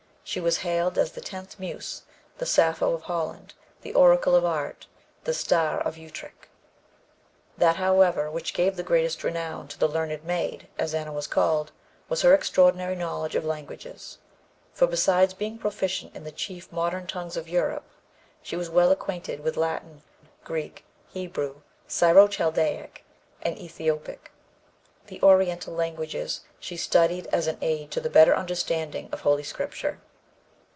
She was hailed as "The Tenth Muse," "The Sappho of Holland," "The Oracle of Art," "The Star of Utrecht." That, however, which gave the greatest renown to the "Learned Maid," as Anna was called, was her extraordinary knowledge of languages. For, besides being proficient in the chief modern tongues of Europe, she was well acquainted with Latin, Greek, Hebrew, Syro Chaldaic and Ethiopic. The oriental languages she studied as an aid to the better understanding of Holy Scripture.